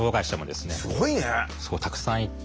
すごいたくさん行って。